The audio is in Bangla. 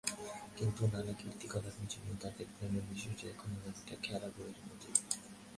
কিন্তু নানা কীর্তি-কলাপের জন্য তাঁদের প্রেমের বিষয়টি এখন অনেকটা খোলা বইয়ের মতোই।